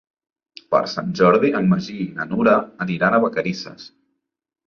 Per Sant Jordi en Magí i na Nura aniran a Vacarisses.